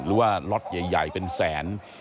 หรือว่าล็อตใหญ่เป็นแสน